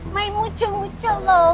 main muceh muceh loh